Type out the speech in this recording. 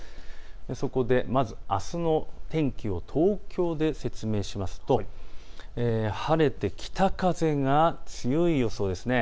そこでまず、あすの天気を東京で説明すると晴れて北風が強い予想です。